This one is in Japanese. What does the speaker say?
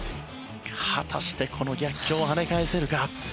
果たしてこの逆境を跳ね返せるか？